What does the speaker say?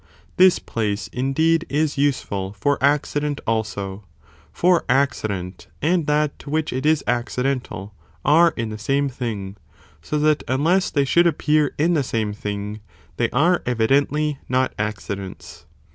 This place, indeed, is useful for acci dent, also; for accident, and that to which it is accidental, are in the same thing, so that unless they should appear in the same thing, they are evidently not accidents.